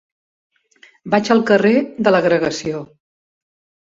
Vaig al carrer de l'Agregació.